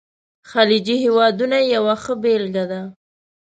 خلیجي هیوادونه یې یوه ښه بېلګه ده.